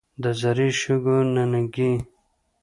د زري شګو نینکې.